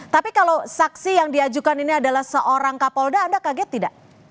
tapi kalau saksi yang diajukan ini adalah seorang kapolda anda kaget tidak